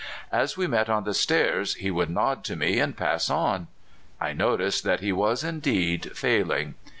As we met on the stairs he would nod to me and pass on. I noticed that he was indeed " failing."